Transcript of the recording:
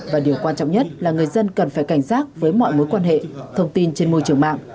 và điều quan trọng nhất là người dân cần phải cảnh giác với mọi mối quan hệ thông tin trên môi trường mạng